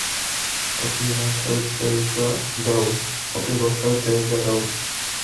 ওকে বসার জায়গা দাও।